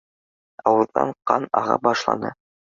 Ауыҙҙан ҡан аға башланы.